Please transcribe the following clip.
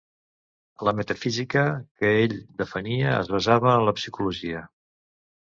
La metafísica que ell defenia es basava en la psicologia.